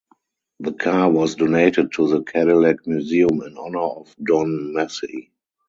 The car was donated to the Cadillac Museum in honor of Don Massey.